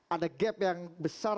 ada gap yang besar